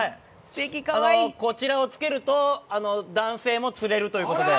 こちらをつけると、男性も釣れるということで。